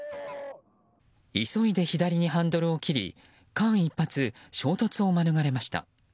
急いで左にハンドルを切り間一髪、衝突を免れました。